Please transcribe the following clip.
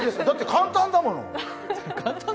だって簡単だもの。